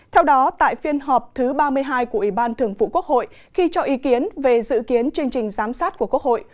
theo đó tại phiên họp thứ ba mươi hai của ủy ban thường vụ quốc hội khi cho ý kiến về dự kiến chương trình giám sát của quốc hội